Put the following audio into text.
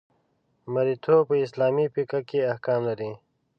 مرییتوب په اسلامي فقه کې احکام لري.